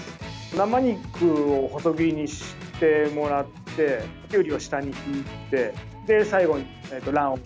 生肉を細切りにしてもらってきゅうりを下に敷いて最後に卵黄を。